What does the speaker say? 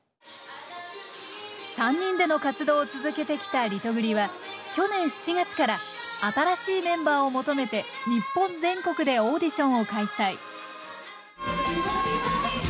３人での活動を続けてきたリトグリは去年７月から新しいメンバーを求めて日本全国でオーディションを開催